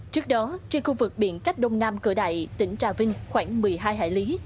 trước đó trên khu vực biển cách đông nam cửa đại tỉnh trà vinh khoảng một mươi hai hải lý